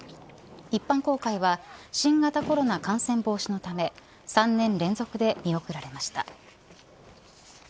一般公開は新型コロナ感染防止のため３年連続で見送られました。